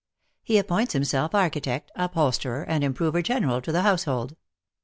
He appoints himself architect, upholsterer and improver general to the household.